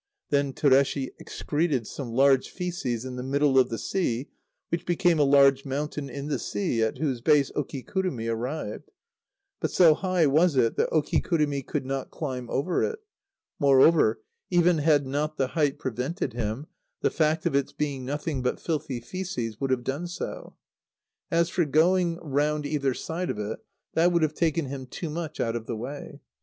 Then Tureshi excreted some large fœces in the middle of the sea, which became a large mountain in the sea, at whose base Okikurumi arrived. But so high was it that Okikurumi could not climb over it. Moreover, even had not the height prevented him, the fact of its being nothing but filthy fœces would have done so. As for going round either side of it, that would have taken him too much out of the way.